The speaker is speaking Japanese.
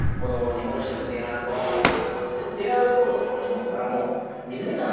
日本酒でも低アルコールとかになってますけど低アルコールの日本酒呑んだらもう水みたいになっちゃうんですよ。